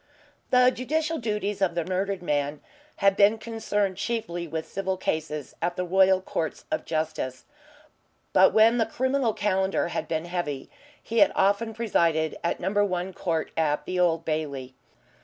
The judicial duties of the murdered man had been concerned chiefly with civil cases at the Royal Courts of Justice, but when the criminal calendar had been heavy he had often presided at Number One Court at the Old Bailey.